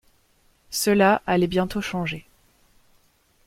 Cela allait bientôt changer.